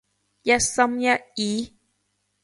一心一意？